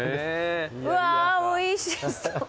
うわおいしそう。